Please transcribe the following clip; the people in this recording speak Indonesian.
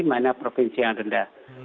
mana provinsi yang rendah